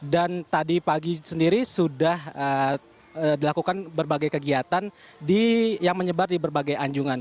dan tadi pagi sendiri sudah dilakukan berbagai kegiatan yang menyebar di berbagai anjungan